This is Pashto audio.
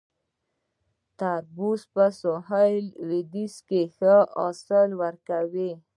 تربوز په سویل لویدیځ کې ښه حاصل ورکوي